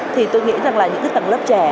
thì tôi nghĩ là những tầng lớp trẻ